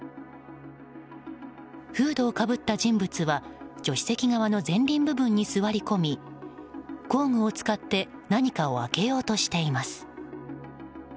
フードをかぶった人物は助手席側の前輪部分に座り込み工具を使って何かを開けようとしています。